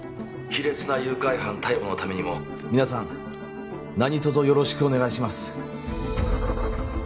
卑劣な誘拐犯逮捕のためにも皆さん何とぞよろしくお願いします